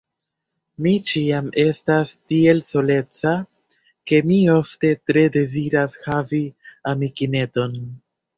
Mi ĉiam estas tiel soleca, ke mi ofte tre deziras havi amikineton.